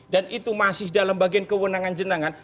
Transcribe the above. dan itu masih dalam bagian kewenangan jenengan